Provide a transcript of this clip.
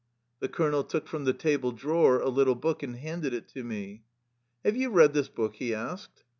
The colonel took from the table drawer a little book and handed it to me. " Have you read this book? " he asked.